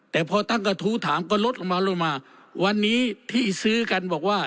แต่พอตั้งกระทู้ถามก็ลดลงมาลงมาวันนี้ที่ซื้อกันบอกว่า